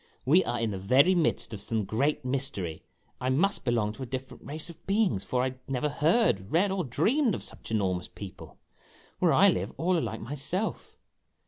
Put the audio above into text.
"We are in the very midst of some great mystery. I must belong to a different race of beings for I never heard, read, or dreamed of such enormous people. Where I live, all are like myself!